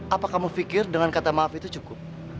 apa kamu pikir dengan kata maaf itu cukup